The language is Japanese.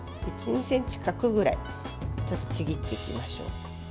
１２ｃｍ角ぐらいにちぎっていきましょう。